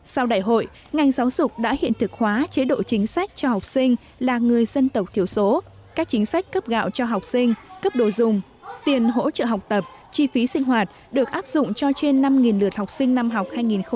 sau đại hội ngành giáo dục đã hiện thực hóa chế độ chính sách cho học sinh là người dân tộc thiểu số các chính sách cấp gạo cho học sinh cấp đồ dùng tiền hỗ trợ học tập chi phí sinh hoạt được áp dụng cho trên năm lượt học sinh năm học hai nghìn hai mươi hai nghìn hai mươi